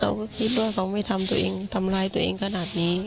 เราก็คิดว่าเขาไม่ทำตัวเองทำร้ายตัวเองขนาดนี้